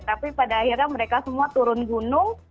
tapi pada akhirnya mereka semua turun gunung